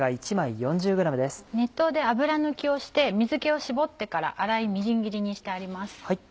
熱湯で油抜きをして水気を絞ってから粗いみじん切りにしてあります。